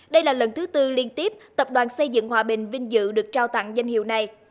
đây là lần thứ tư liên tiếp tập đoàn xây dựng hòa bình vinh dự được trao tặng danh hiệu này